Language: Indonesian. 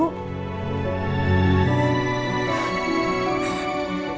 kamu harus cerita ke ibu